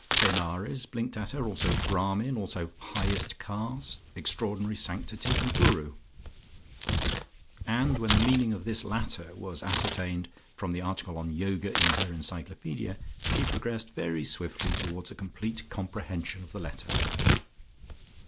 "Benares" blinked at her, also "Brahmin"; also "highest caste"; "extraordinary sanctity," and "Guru." And when the meaning of this latter was ascertained from the article on "Yoga" in her Encyclopaedia, she progressed very swiftly towards a complete comprehension of the letter.